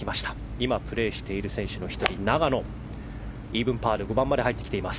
今、プレーしている選手の１人永野はイーブンパーで５番まで入ってきています。